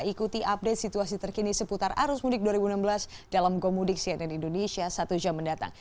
ikuti update situasi terkini seputar arus mudik dua ribu enam belas dalam gomudik cnn indonesia satu jam mendatang